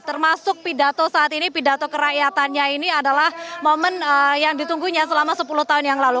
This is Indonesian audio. termasuk pidato saat ini pidato kerakyatannya ini adalah momen yang ditunggunya selama sepuluh tahun yang lalu